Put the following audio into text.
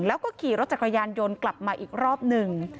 แล้วก็ขี่รถจักรยานยนต์กลับมาอีกรอบหนึ่ง